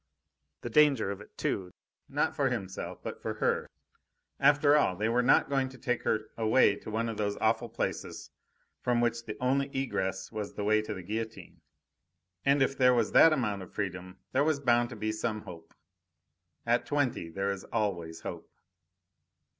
The danger of it, too not for himself, but for her. After all, they were not going to take her away to one of those awful places from which the only egress was the way to the guillotine; and if there was that amount of freedom there was bound to be some hope. At twenty there is always hope!